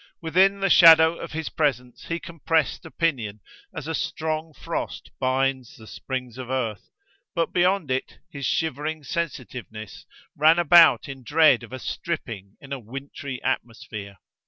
Within the shadow of his presence he compressed opinion, as a strong frost binds the springs of earth, but beyond it his shivering sensitiveness ran about in dread of a stripping in a wintry atmosphere.